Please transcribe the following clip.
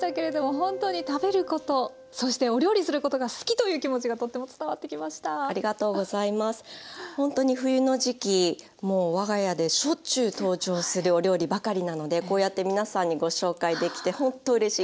ほんとに冬の時期もう我が家でしょっちゅう登場するお料理ばかりなのでこうやって皆さんにご紹介できてほんとうれしいですはい。